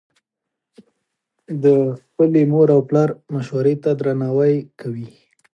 ده د خپلې مور او پلار مشورې ته درناوی کوي.